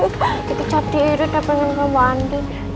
gitu cat diri udah pengen sama andin